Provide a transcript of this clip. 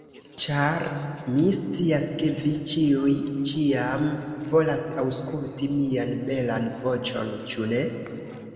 Ĉar, mi scias, ke vi ĉiuj, ĉiam volas aŭskulti mian belan voĉon, ĉu ne?